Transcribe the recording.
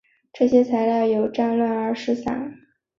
这些材料由于战乱而散失。